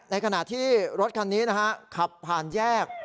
ในขณะที่รถคันนี้นะฮะขับผ่านแยก